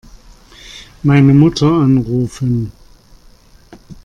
Meine Mutter anrufen.